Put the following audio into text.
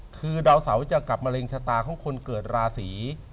คือดาวเสาจะกลับมะเร็งชะตาของคนเกิดราศี